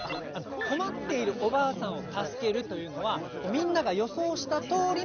こまっているおばあさんをたすけるというのはみんながよそうしたとおりのこうどうだろ？